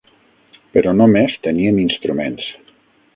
Però només teníem instruments.